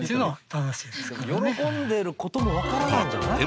喜んでる事もわからないんじゃない？